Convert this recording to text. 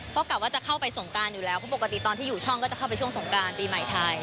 เขากลับว่าจะเข้าไปสงการอยู่แล้วเพราะปกติตอนที่อยู่ช่องก็จะเข้าไปช่วงสงการปีใหม่ไทย